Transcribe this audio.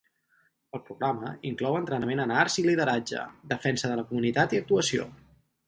El programa inclou entrenament en arts i lideratge, defensa de la comunitat i actuació.